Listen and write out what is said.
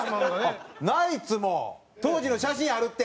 ナイツも当時の写真あるって。